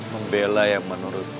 membela yang menurut